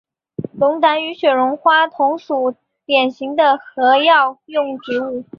龙胆与雪绒花同属典型的和药用植物。